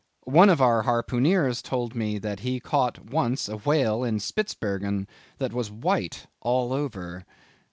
One of our harpooneers told me that he caught once a whale in Spitzbergen that was white all over."